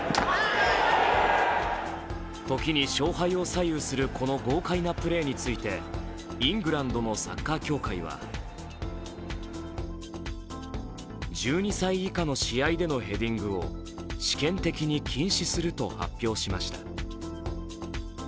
時に勝敗を左右するこの豪快なプレーについてイングランドのサッカー協会は１２歳以下の試合でのヘディングを試験的に禁止すると発表しました。